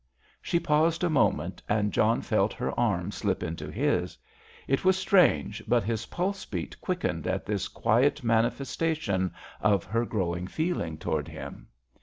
She paused a moment, and John felt her arm slip through his. It was strange, but his pulse beat quickened at this quiet manifestation of her growing feeling towards him.